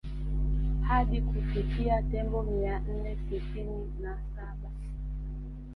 Hadi kufikia Tembo mia nne sitini na saba